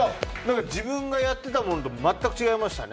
自分がやってたものと全く違いました。